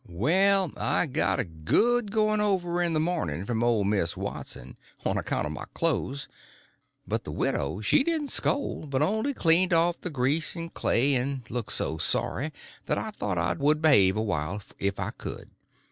Well, I got a good going over in the morning from old Miss Watson on account of my clothes; but the widow she didn't scold, but only cleaned off the grease and clay, and looked so sorry that I thought I would behave a while if I could.